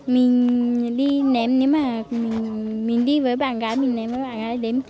mình đi ném nếu mà mình đi với bạn gái mình ném với bạn gái đến